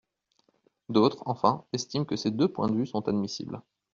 D’autres, enfin, estiment que ces deux points de vue sont admissibles.